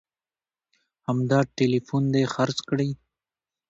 همدا ټلیفون دې خرڅ کړي